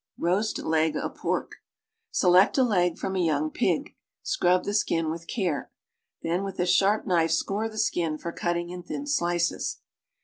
ROAST LEG OF PORK Select a leg from a young pig. Scrub the skin with care. Then with a sharp knife score the skin for cutting in thin slices.